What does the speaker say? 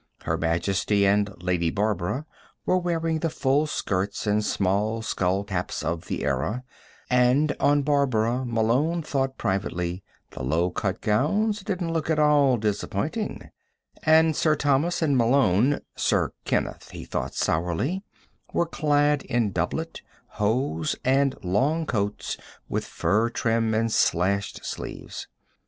Her Majesty and Lady Barbara were wearing the full skirts and small skullcaps of the era and on Barbara, Malone thought privately, the low cut gowns didn't look at all disappointing and Sir Thomas and Malone Sir Kenneth, he thought sourly were clad in doublet, hose and long coats with fur trim and slashed sleeves.